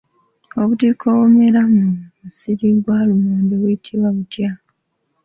Obutiko obumera mu musiri gwa lumonde buyitibwa butya?